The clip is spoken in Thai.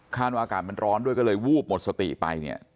ว่าอากาศมันร้อนด้วยก็เลยวูบหมดสติไปเนี่ย